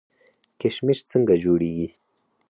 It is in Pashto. کشمش څنګه جوړیږي؟